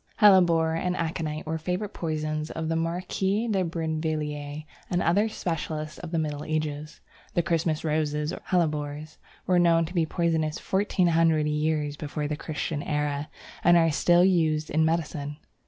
Hellebore and Aconite were the favourite poisons of the Marquise de Brinvilliers and other specialists of the Middle Ages. The Christmas Roses or Hellebores were known to be poisonous fourteen hundred years before the Christian era, and are still used in medicine.